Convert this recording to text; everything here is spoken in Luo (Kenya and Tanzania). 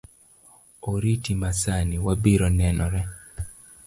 Oriti masani, wabiro nenore